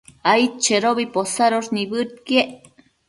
aidchedobi posadosh nibëdquiec